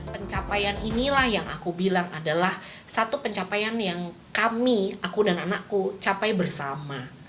pencapaian inilah yang aku bilang adalah satu pencapaian yang kami aku dan anakku capai bersama